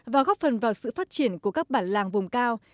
và góp phần vào sự phát triển của các bản làng vùng cao